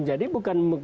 ada indikasinya pak